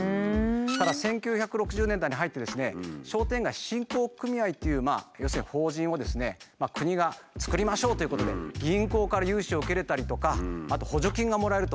ただ１９６０年代に入って「商店街振興組合」っていう要するに法人を国が作りましょうということで銀行から融資を受けれたりとかあと補助金がもらえると。